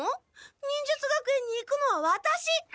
忍術学園に行くのはワタシ。